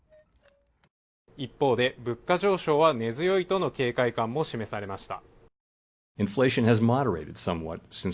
一方で、物価上昇は根強いとの警戒感も示されました。